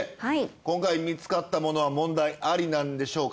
今回見つかったものは問題ありなんでしょうか。